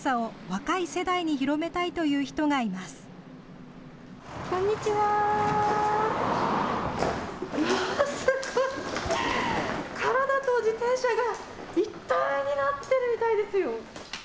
わあ、すごい、体と自転車が一体になってるみたいですよ。